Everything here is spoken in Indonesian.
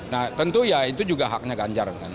nah tentu ya itu juga haknya ganjar kan